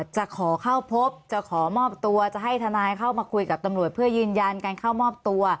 จะขอเข้าพบจะขอมอบตัวจะให้ทนายเข้ามาคุยกับตำรวจเพื่อยืนยันการเข้ามอบตัว